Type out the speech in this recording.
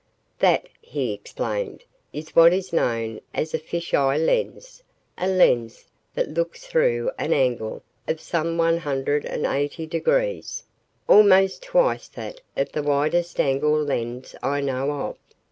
"That," he explained, "is what is known as a fish eye lens a lens that looks through an angle of some 180 degrees, almost twice that of the widest angle lens I know of."